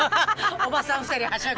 おばさん２人はしゃぐ。